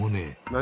何？